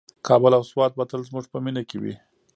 کابل او سوات به تل زموږ په مینه کې وي.